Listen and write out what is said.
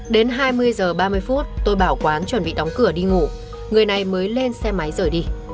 đến hai mươi giờ ba mươi phút tôi bảo quán chuẩn bị đóng cửa đi ngủ người này mới lên xe máy rời đi